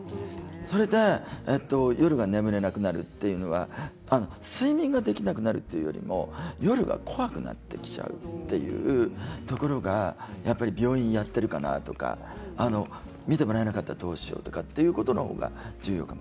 それと夜が眠れなくなるというのは睡眠ができなくなるというよりも夜が怖くなってきちゃうというところがやっぱり病院やっているかなとか診てもらえなかったらどうしようっていうことの方がね。